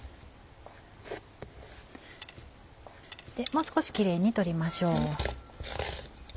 もう少しキレイに取りましょう。